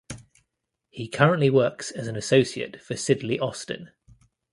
He currently works as an associate for Sidley Austin.